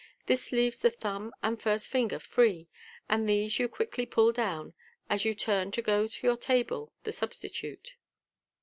This leaves the thumb and first finger free, and with these you quickly pull down, as you turn to go to your table, the substitute.